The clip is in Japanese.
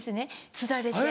釣られて。